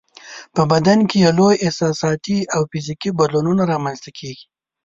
په بدن کې یې لوی احساساتي او فزیکي بدلونونه رامنځته کیږي.